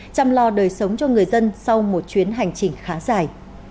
chăm lo đời sống cho người dân sau một chuyến hành trình khá dài